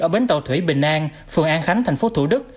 ở bến tàu thủy bình an phường an khánh thành phố thủ đức